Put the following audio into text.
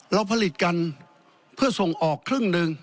เราผลิตกันเพื่อส่งออกครึ่งหนึ่ง